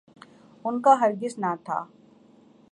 ان کا ہرگز نہ تھا۔